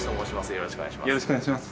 よろしくお願いします。